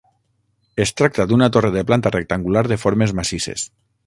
Es tracta d'una torre de planta rectangular de formes massisses.